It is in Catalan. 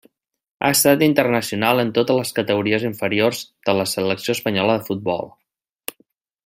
Ha estat internacional en totes les categories inferiors de la selecció espanyola de futbol.